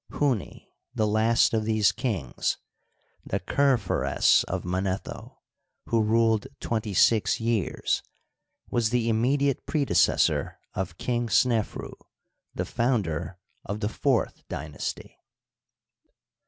Huni, the last of these kings, the Kerpheres of Manetho, who ruled twenty six years, was the immediate predecessor of King Snefru, the founder of the fourth dynasty.